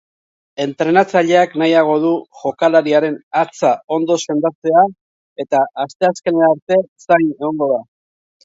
Entrenatzaileak nahiago du jokalariaren hatza ondo sendatzea eta asteazkenera arte zain egongo da.